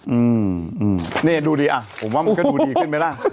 อืมนี่ดูดิอ่ะผมว่ามันก็ดูดีขึ้นไหมล่ะ